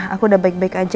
aku udah baik baik aja